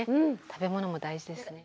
食べ物も大事ですね。